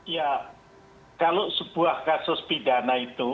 ya kalau sebuah kasus pidana itu